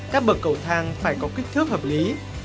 các bậc cầu thang phải có kích thước hợp lý